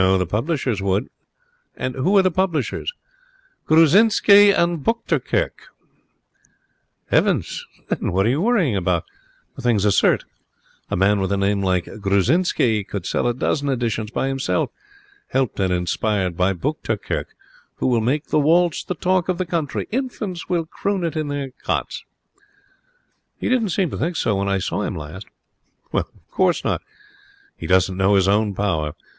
The publishers would.' 'Who are they?' 'Grusczinsky and Buchterkirch.' 'Heavens, then what are you worrying about? The thing's a cert. A man with a name like Grusczinsky could sell a dozen editions by himself. Helped and inspired by Buchterkirch, he will make the waltz the talk of the country. Infants will croon it in their cots.' 'He didn't seem to think so when I saw him last.' 'Of course not. He doesn't know his own power.